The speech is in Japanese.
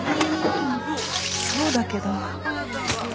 そうだけど。